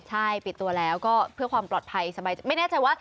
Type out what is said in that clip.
ใช่ปิดตัวแล้วก็เพื่อความปลอดภัยสบายไม่แน่ใจว่า